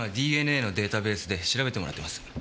今ＤＮＡのデータベースで調べてもらってます。